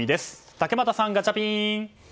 竹俣さん、ガチャピン！